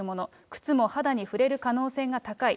靴も肌に触れる可能性が高い。